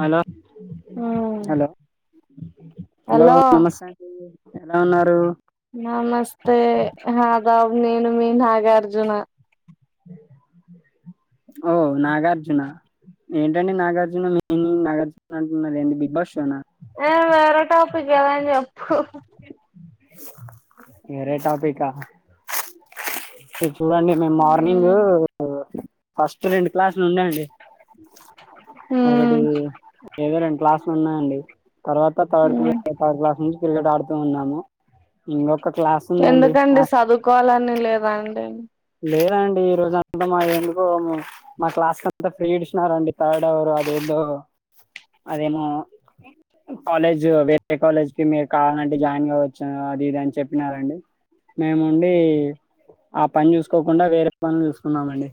Hello hello hello నమస్తే అండి ఎలా ఉన్నారు నమస్తే ఆదాబ్ నేను మీ నాగార్జున ఓ నాగార్జునా ఏంటండి నాగార్జున మీరు నాగార్జున అంటున్నారు ఏంటి బిగ్ బాస్ షోనా ఏ వేరే టాపిక్ ఏదైనా చెప్పు వేరే టాపికా ఇటు చూడండి మేము మార్నింగ్ మ్మ్ ఫస్ట్ రెండు క్లాస్ ఉన్నాయండీ ఒకటి ఏదో రెండు క్లాసులున్నాయండి తర్వాత థర్డ్ మ్మ్ థర్డ్ క్లాస్ నుంచి క్రికెట్ ఆడుతూ ఉన్నాము ఇంకొక క్లాస్ ఉందండి ఎందుకండి ఆ, సదువుకోవాలని లేదాండి లేదండి ఈ రోజు అంతా మాకేందుకో మా క్లాస్ లో అంతా ఫ్రీ ఇదిసినరాండి థర్డ్ అవర్ అదెందో అదేమో కాలేజ్ వేరే కాలేజ్ కి మీరు కావాలంటే జాయిన్ కావచ్చు అది ఇది అని చెప్పినారండి మేముండి ఆ పని చూసుకోకుండా వేరే పనులు చూసుకున్నామండి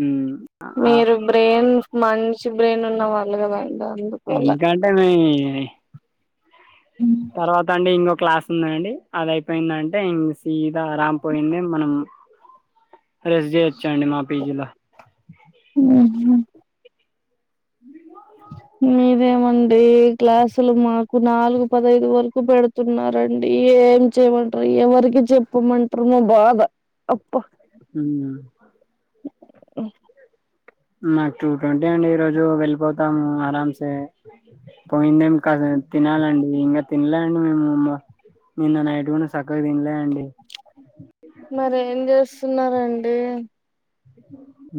మ్మ్. ఆ- మీరు బ్రెయిన్ మంచి చి బ్రెయిన్ ఉన్న వాళ్ళు కదా అండి ఇంకా అంటే మీ తర్వాత అండి ఇంకొ క్లాస్ ఉందండి అది అయిపోయిందంటే ఇంగ సీదా ఆరామ్ పోయిన మనం రెస్ట్ చేయొచ్చండి మా పీజీలా అ అ మీరేమండి క్లాసులు మాకు నాలుగు పదైదు వరకు పెడుతున్నారండి ఏం చెయమంటారు ఎవరికి చెప్పమంటారు మా బాధ అబ్బ ఉమ్ నాకు టూ ట్వంటీ అండి ఈ రోజు వెళ్ళిపోతాను ఆరాంసే పోయిందేం కాద తినాలండి ఇంకా తినలేండి మేముమ్ నిన్న నైట్ కూడా సక్కగా తినలే అండి. మరె ఏం చేస్తున్నారండి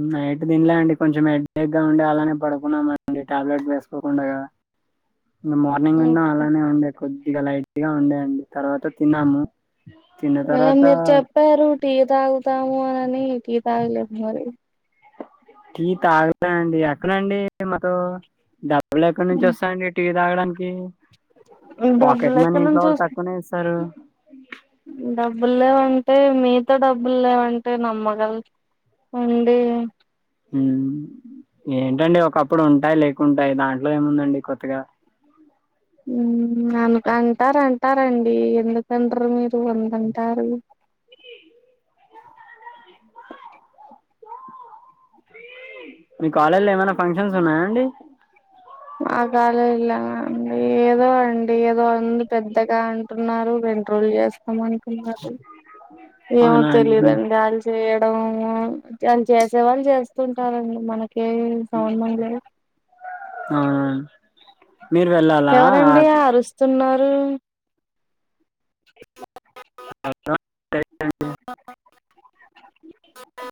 ఇ నైట్ దిన్లే అండి కొంచెం హేడ్డగ్గా ఉండడి అలానే పడుకున్నామ అండి టాబ్లెట్ వేసుకోకుండా నిన్న మార్నింగ్ ఉన్నా అలానే ఉండే కొద్దిగా లైట్ గా ఉండేయండి తర్వాత తిన్నాము తిన్న ఏ తర్వాత మీరు చెప్పారు టీ తాగుతాము అని టీ తాగలేదు మరి టీ తాగులే అండి ఎక్కడండి మతోం డబ్ డబ్బుల్ ఎక్కడి నుంచి వస్తా అడి టీవీ తాగడానికి డబ్బులు పాకెట్ మనీ ఎక్కడ ఇంట్లో నుంచి వాళ్ళు వస్తు తక్కువనే ఇస్తారు డబ్బులు లేవంటే మీతో డబ్బులు లేవంటే నమ్మగల అండి ఉం ఏంటండి ఒకప్పుడు ఉంటాయి లేకుంటాయి దాంట్లో ఏముందండి కొత్తగా అనక అంటారు అంటారండి ఎందుకనరు మీరు వందంటారు మీ కాలేజీలో ఏమైనా ఫంక్షన్స్ ఉన్నాయా అండి కాలేజీల అండి ఏదో అండి ఏదో ఉంది పెద్దగా అంటున్నారు రెండు రోజులు చే స్తాము అంటున్నారు ఏమో అవునా అండి మీ- తెలీదండి చేయ అని చేసే వాళ్ళు చేస్తుంటారండి మనకి కే సంబద్ లేదు అవునా అండి. మీరు వెళ్ళాలా ఆ, ఎవరండి అరుస్తున్నారు అ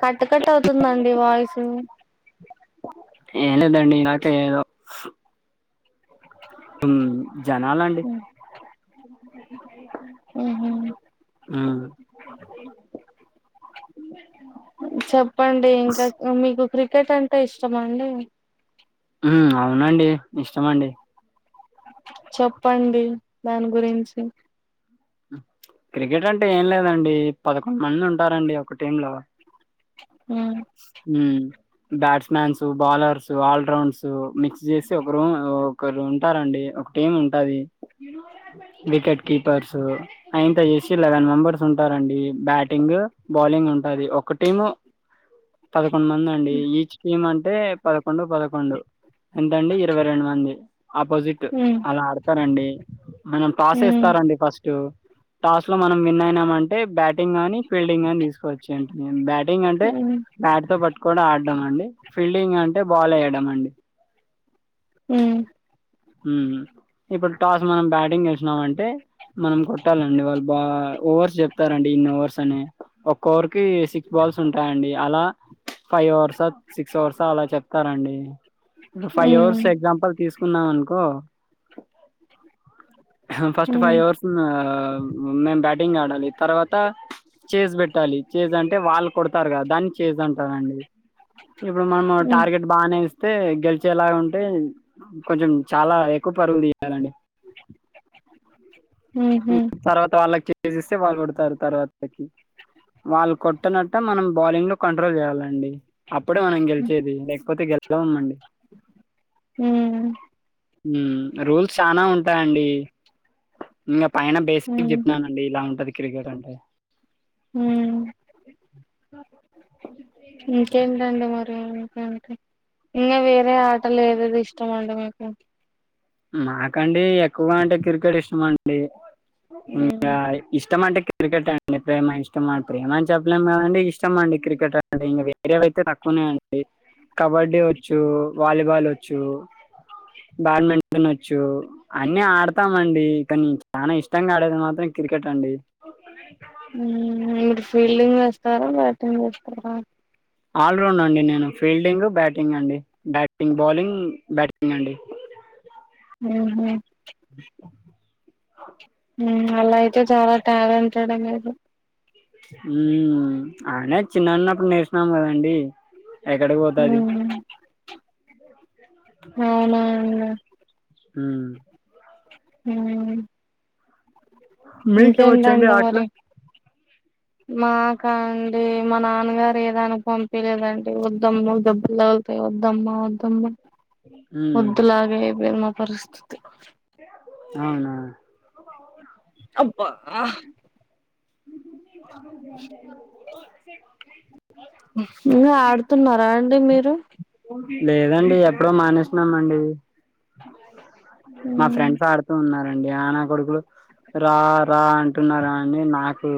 కట్టు కట్ అవుతుందండి వాయిసు ఎంలేదండి నాకే ఏదో మ్మ్ జనాలు అండి అహు ఉమ్ చెప్పండి ఇంకా మీకు క్రికెట్ అంటే ఇష్టమ అండి ఉమ్ అవునండి ఇష్టమ అండి చెప్పండి దాని గురించి క్రికెట్ అంటే ఏం లేదండి పదకొండు మంది ఉంటారండి ఒక టీమ్ లో ఉమ్ ఉమ్ బ్యాట్స్ మ్యాన్స్ బౌలర్స్ ఆల్రౌండ్స్ మిక్స్ చేసి ఒకరు ఒకరు ఉంటారండి ఒక టీమ్ ఉంటది వికెట్ కీపర్స్ అయింత చేసి లెవెన్ మెంబర్స్ ఉంటారండి బ్యాటింగ్ బాలింగ్ ఉంటది ఒక టీం పదకొండు మంది అండి ఈచ్ టీమ్ అంటే అంటే పదకొండు పదకొండు ఎంతండి ఇరవై రెండు మంది ఆపోజిట్ ఉమ్ అలా ఆడతారండి మనం టాస్ ఉమ్ వేస్తారండి ఫస్ట్ టాస్ లో మనం విన్ అయినామ అంటే బ్యాటింగ్ గానీ ఫీల్డింగ్ నీ తీసుకోవచ్చు ఏంటి బ్యాటింగ్ అంటే ఉమ్ బ్యాట్ తో పట్టుకోని ఆడడం అండి ఫీల్డింగ్ అంటే బాల్ వేయడం అండి ఉమ్ ఉమ్ ఇప్పుడు టాస్ మనం బ్యాటింగ్ చేసినామంటే మనం కొట్టాలండి వాళ్ళు బా ఓవర్స్ చెప్తారండి ఇన్ని ఓవర్స్ అని ఒక్క ఓవర్ కి సిక్స్ బాల్స్ ఉంటాయండి అలా ఫైవ్ ఓవర్సా సిక్స్ ఓవర్సా అలా చెప్తారండి ఇప్పు ఫైవ్ ఓవర్స్ ఉమ్ ఉంపల్ తీసుకున్నాం అనుకో ఫస్ట్ ఉమ్ ఫైవ్ ఓవర్స్ మేము బ్యాటింగ్ ఆడాలి తర్వాత చేజ్ పెట్టాలి చేజ్ అంటే వాళ్ళు కొడతారు కదా దాన్ని చేజ్ అంటారంండి ఇప్పుడు మనం ఉమ్ టార్గెట్ బానే ఇస్తే గెలిచేలాగా ఉంట అంటే కొంచెం చాలా ఎక్కువ పరుగు తీయాలండి ఉహు తర్వాత వాళ్ళకి చేజ్ ఇస్తే వాళ్ళు కొడతారు తర్వాతకి వాళ్ళు కొట్టనట్ట మనం బౌలింగ్ లో కంట్రోల్ చేయాలండి అప్పుడే మనం గెలిచేది లేకపోతేె గెలవం అండి ఉమ్ ఉమ్ రూల్స్ చానా ఉంటాయండి ఇంకా పైన బేసిక్ ఉమ్ చెప్పిననండి ఇలా ఉంటది క్రికెట్ అంటే [inaudible] ఉమ్ ఉమ్ ఓకే ఇంకా వేరే ఆటలో ఏదేది ఇష్టం అండి మీకు మాకండి ఎక్కువ అంటే క్రికెట్ ఇష్టం అండి ఉమ్ మ్మ్ గ ఇష్టమంటే క్రికెట్ అండి ప్రేమ ఇష్టం అండి ప్రేమని చెప్పలేం కదండి ఇష్టం అండి క్రికెట్ అంటే ఇంక వేరే అయితే నాకు ఉన్నయి అండి కబడ్డీ వచ్చు వాలీబాల్ వచ్చు బ్యాడ్మింట టన్ వచ్చు అన్ని ఆడతామండి కానీ చాలా ఇష్టంగా ఆడేది మాత్రం క్రికెట్ అండి ఓకే అండి ఉమ్ మీరు ఫీల్డింగ్ వేస్తారా బ్యాటింగ్ చేస్తారా ఆల్రౌండ్ అండి నేను ఫీల్డింగ్ బ్యాటింగ్ అండి బ్యాటింగ్ బౌలింగ్ బ్యాటింగ్ అండి [inaudible] ఉహుమ్ [inaudible] ఉమ్ అలా అయితే చాలా టాలెంటెడ్ ఏ మీరు ఉమ్ ఆయిన చిన్నన్నప్పుడు నేర్చికున్నాం కదండి ఎక్కడికి పోతది మ్మ్ అవునా అన్న ఉమ్ అవునా మీకే మొచ్చండి ఆటలు మరి [inaudible] మాకా అండి మా నాన్నగారు ఏ దానికి పంపిలేదండి వద్దమ్ము దెబ్బలు తగులుతాయి వద్దమ్మ వద్దమ్మ ఉమ్ మొద్దులాగే అయిపోయింది నా పరిస్థితి అవునా అబ్బా [inaudible] ఇంకా ఆడుతున్నారా అండి మీరు లేదండి ఎప్పుడో మానేసినాం అండి మా మ్మ్ ఫ్రెండ్స్ ఆడుతూ ఉన్నారు ! ! ! ! ! రా రా అంటున్నారు అని నాకు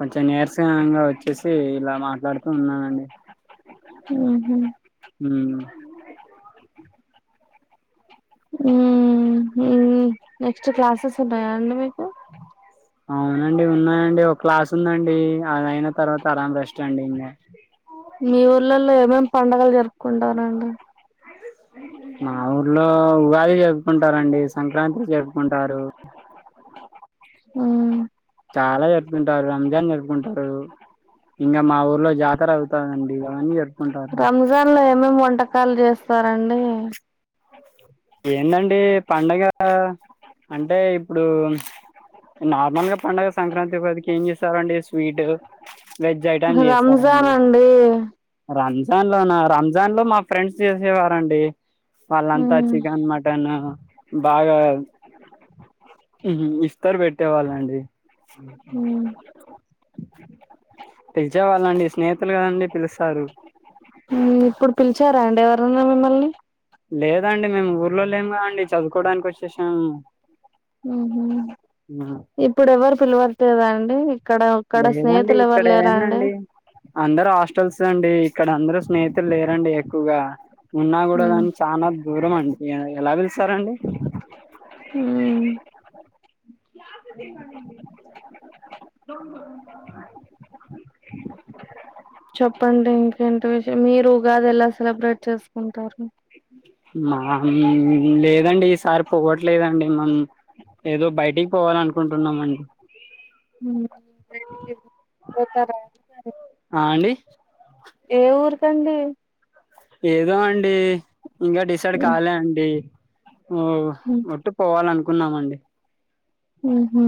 కొంచెం నీరసనంగా వచ్చేసి ఇలా మాట్లాడుతూ ఉన్నానండి ఉమ్ ఉమ్ ఉమ్ ఉమ్ నెక్స్ట్ క్లాసెస్ ఉంటాయా అండి మీకు అవునండి ఉన్నాయండి ఒక క్లాస్ ఉందండి అది అయిన తర్వాత అరాం రెస్ట్ అండి ఇంకా మీ ఊర్లలో ఏమేమి పండుగలు జరుపుకుంటారండి [inaudible] మా ఊర్లో ఉగాది జరుపుకుంటారండి సంక్రాంతి జరుపుకుంటారు ఉమ్ చాలా జరుపుకుంటారు రంజాన్ జరుపుకుంటారు ఇంకా మా ఊర్లో జాతర అవుతదండి అవన్నీ జరుపుకుంటారు ఏమేం వంటకాలు చేస్తారండి ఏందండి పండగ అంటే ఇప్పుడు నార్మల్ గా పండుగ సంక్రాంతి పదికి ఏం చేస్తారండి స్వీట్ వెజ్ ఐటమ్ రంజాన్ చేస్తారండి అండి రం జాన్ లోనా రంజాన్ లో మా ఫ్రెండ్స్ చేసేవారండి వాళ్ళంతా మ్మ్ చికెన్ మటన్ బాగా ఉహు ఇష్ ఇఫ్తారు పెట్టేవాళ్ళండి మ్మ్ పిలిచేవాళ్ళండి స్నేహితులు కదండి పిలుస్తారు మ్మ్ ఇప్పుడు పిలిచారా అండి మిమ్మల్ని లేదండి మేము ఊర్లో లేము కా అండి చదువుకోవడానికి వచ్చేసాము మ్మ్ ఆ, ఇప్పుడు ఎవ్వరు పిలవట్లేదా అండి ఇక్కడ ఇక్కడ లేదండి స్నేహితులు ఇక్కడ ఎవరు లేరా అండి ఏందండి అందరు హాస్టల్స్ తండి ఇక్కడ అందరుస్నేహితులు లేరండి ఎక్కువగా ఉన్నా కూడా మ్మ్ కాని చానా దూరం అండి య ఎలా పిలుస్ ఉమ్ ద [inaudible] [inaudible] చెప్పండి ఇంకేంటి విషయం మీరు ఉగాది ఎలా సెలబ్రేట్ చేసుకుంటారు మా లేదండి ఈసారి పోవట్లేదండి మం ఏదో బయటికి పోవాలనుకుంటున్నామండి ఉ ఆ అండి ఏ ఊరికండి ఏదో అండి ఇంకా డిసైడ్ కాలే అండి వోవ్ ఒట్టు పోవాలనుకున్నామండి ఉహు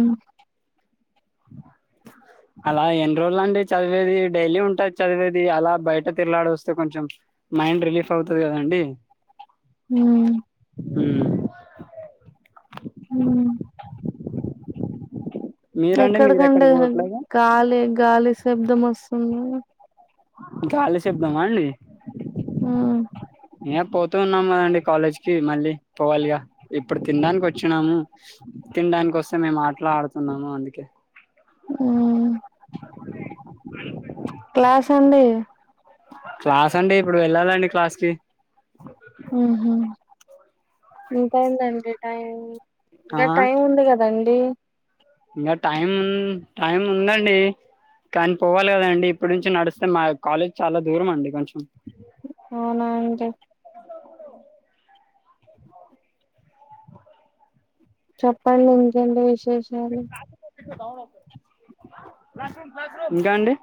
[inaudible] అలా ఎన్ని రోజులు అండి చదివేది డైలీ ఉంటది చదివేది అలా బయట తిరలాడ వస్తే కొంచెం మైండ్ రిలీఫ్ అవుతది కదండి ఆ ఉమ్ హ మీరండి మీరు ఎక్కడికండి ఎక్కడికి పోవట్లేదా గాలి గాలి శబ్దం వస్తుంది గాలి శబ్దం అండి ఆ ఏ పోతూ ఉన్నాము కదండి కాలేజ్ కి మళ్ళీ పోవాలిగా ఇప్పుడు తినడానికి వచ్చినాము తినడానికోస్తనే మాట్లాడుతున్నాము అందుకే ఉమ్ క్లాస్ అండి క్లాస్ అండి ఇప్పుడు వెళ్ళాలండి క్లాస్ కి ఉహు ఎంతైదండి టైం ఆ ఇంకా టైం ఉంది కదా రండి ఇంకా టైం టైం ఉందండి కానీ పోవాలే కదండి ఇప్పడు నుంచి నడిస్తే మా కాలేజ్ చాలా దూరం అండి కొంచెం అవునా అండి చెప్పండి ఇంకేంటి విశేషాలు ఇంకా అండి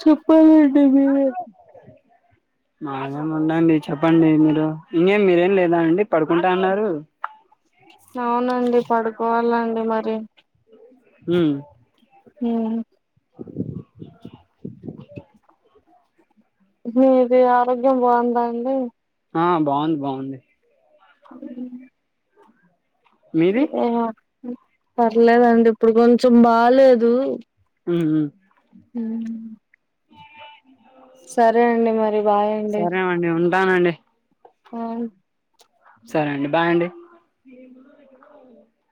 చెప్పలండి మీరే [inaudible] మాదేం ఉండండి చెప్పండి మీరు ఇంకే మీదెం లేదా అండి పడుకుంటా అన్నారు అవునండి పడుకోవాలండి మరి హుహ్ మీది ఆరోగ్యం బావుందా అండి. ఆ బావుద్ బావుంది. ఓహమ్ మీది ఆ పర్లేదండి ఇప్పుడు కొంచం బాలేదు. ఉహుహ్ ఏమో సరే అండి మరి బాయ్ సరేవండి ఉంటానండి. పాయ్ సరే అండి బయండి.